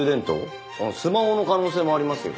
スマホの可能性もありますよ。